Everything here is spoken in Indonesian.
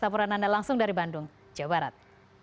terima kasih atas tapuran anda langsung dari bandung jawa barat